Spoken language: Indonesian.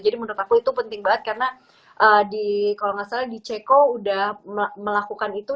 jadi menurut aku itu penting banget karena di ceko udah melakukan itu